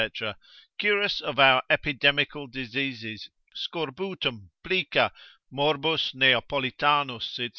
cure us of our epidemical diseases, scorbutum, plica, morbus Neapolitanus, &c.